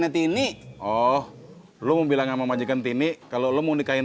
tini cendol buat